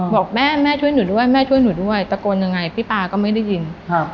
บอกแม่แม่ช่วยหนูด้วยแม่ช่วยหนูด้วยตะโกนยังไงพี่ป๊าก็ไม่ได้ยิน